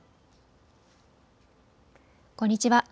こんにちは。